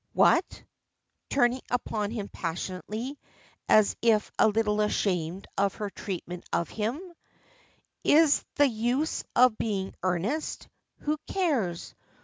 What," turning upon him passionately, as if a little ashamed of her treatment of him, "is the use of being earnest? Who cares?